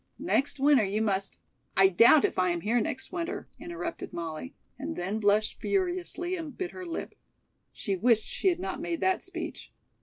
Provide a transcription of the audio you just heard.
Next winter you must " "I doubt if I am here next winter," interrupted Molly, and then blushed furiously and bit her lip. She wished she had not made that speech.